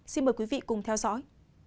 xin mời quý vị cùng theo dõi